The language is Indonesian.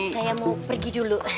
saya mau pergi dulu